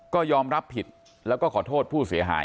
ก็ยอมรับผิดแล้วก็ขอโทษผู้เสียหาย